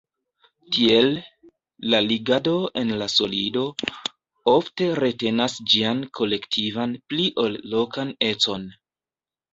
Tiel, la ligado en la solido ofte retenas ĝian kolektivan pli ol lokan econ.